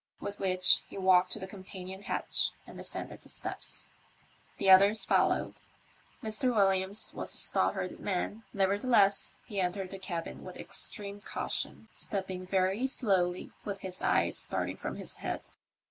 With which he walked to the com panion hatch and descended the steps. The others followed. Mr. Williams was a stout hearted man, nevertheless he entered the cabin with extreme caution, stepping very slowly, with his eyes starting from his head.